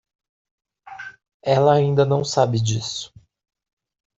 Ela ainda não sabe disso.